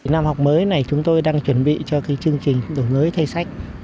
năm học mới này chúng tôi đang chuẩn bị cho chương trình đồ ngới thay sách